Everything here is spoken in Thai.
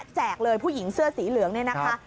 แจกเลยผู้หญิงเสื้อสีเหลืองเนี่ยนะคะ